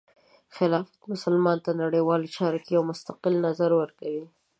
خلافت مسلمانانو ته د نړیوالو چارو کې د یو مستقل نظر ورکوي.